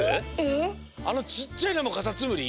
あのちっちゃいのもカタツムリ？